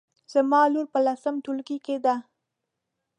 زما لور په لسم ټولګي کې ده